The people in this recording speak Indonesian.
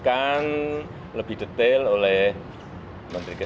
ini dikasih oleh dr terawa